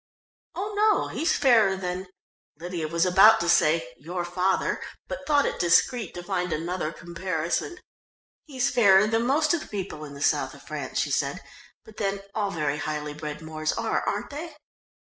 "Oh, no, he's fairer than " Lydia was about to say "your father," but thought it discreet to find another comparison. "He's fairer than most of the people in the south of France," she said, "but then all very highly bred Moors are, aren't they?"